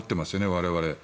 我々。